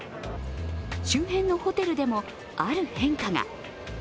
周辺のホテルでも、ある変化が。